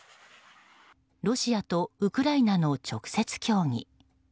ロシアとウクライナの直接協議。